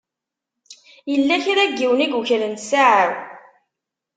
Yella kra n yiwen i yukren ssaɛa-w.